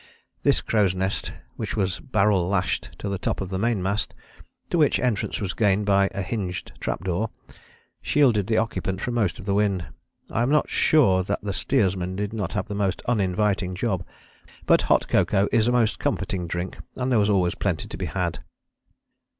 This crow's nest, which was a barrel lashed to the top of the mainmast, to which entrance was gained by a hinged trap door, shielded the occupant from most of the wind. I am not sure that the steersman did not have the most uninviting job, but hot cocoa is a most comforting drink and there was always plenty to be had.